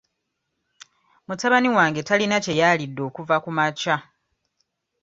Mutabani wange talina kye yaalidde okuva kumakya.